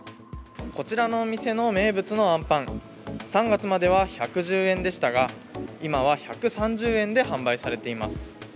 こちらのお店の名物のあんぱん、３月までは１１０円でしたが今は１３０円で販売されています。